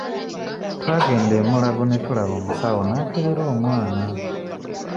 Twagenda e Mulago ne tulaba omusawo n'akebera omwana.